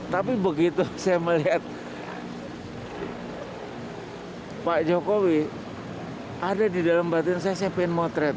tapi begitu saya melihat pak jokowi ada di dalam batin saya saya ingin motret